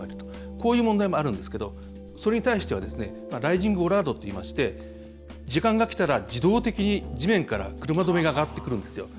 こういう問題があるんですけどそれに対してはライジングボラードといいまして時間がきたら自動的に地面から車止めが上がってくるんですよ。